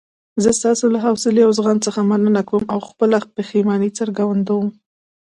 زه ستاسو له حوصلې او زغم څخه مننه کوم او خپله پښیماني څرګندوم.